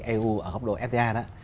eu ở góc độ fta